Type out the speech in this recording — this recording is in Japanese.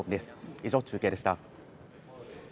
以上、中継でした。